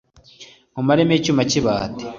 nkumaremo icyuma cy’ibati